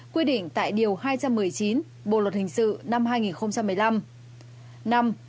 quy định tại điều hai trăm hai mươi bốn bộ luật hình sự năm hai nghìn một mươi năm